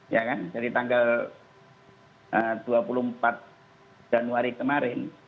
ya kan dari tanggal dua puluh empat januari kemarin